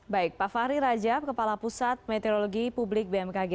baik pak fahri rajab kepala pusat meteorologi publik bmkg